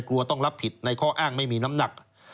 กลัวต้องรับผิดในข้ออ้างไม่มีน้ำหนัก